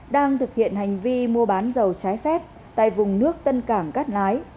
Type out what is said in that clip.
đang thực hiện hành vi mua bán dầu trái phép tại vùng nước tân cảng cát lái